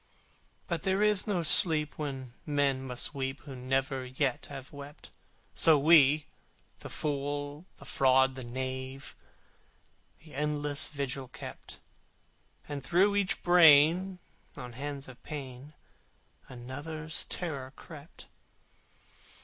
But there is no sleep when men must weep Who never yet have wept: So we the fool, the fraud, the knave That endless vigil kept, And through each brain on hands of pain Another's terror crept.